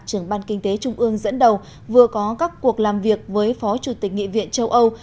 trưởng ban kinh tế trung ương dẫn đầu vừa có các cuộc làm việc với phó chủ tịch nghị viện châu âu